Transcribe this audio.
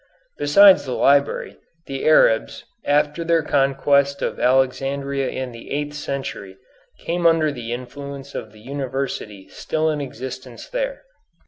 Besides the library, the Arabs, after their conquest of Alexandria in the eighth century, came under the influence of the university still in existence there.